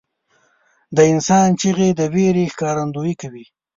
• د انسان چیغې د وېرې ښکارندویي کوي.